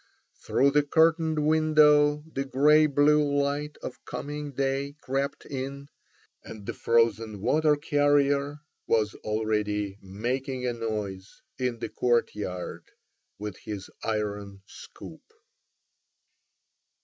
Through the curtained window the grey blue light of coming day crept in, and the frozen water carrier was already making a noise in the courtyard with his iron scoop.